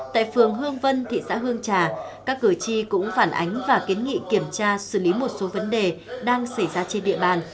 tại phường hương vân thị xã hương trà các cử tri cũng phản ánh và kiến nghị kiểm tra xử lý một số vấn đề đang xảy ra trên địa bàn